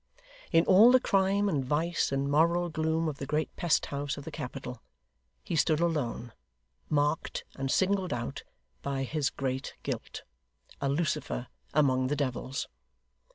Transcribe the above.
In all the crime and vice and moral gloom of the great pest house of the capital, he stood alone, marked and singled out by his great guilt, a Lucifer among the devils.